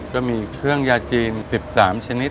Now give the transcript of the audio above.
ก็มีเครื่องยาจีน๑๓ชนิด